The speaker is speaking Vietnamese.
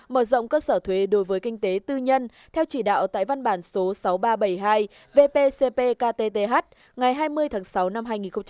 mở rộng cơ sở thuế đối với kinh tế tư nhân theo chỉ đạo tại văn bản số sáu nghìn ba trăm bảy mươi hai vpcp ktth ngày hai mươi tháng sáu năm hai nghìn một mươi bảy